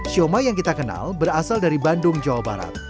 sioma yang kita kenal berasal dari bandung jawa barat